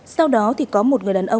sau đó thì có một người đàn ông